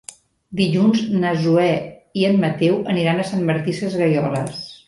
Dilluns na Zoè i en Mateu aniran a Sant Martí Sesgueioles.